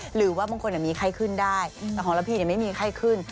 หรือว่าบางคนมีไข้ขึ้นได้แต่ของระพีไม่มีไข้ขึ้น